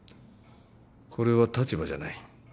これは立場じゃない。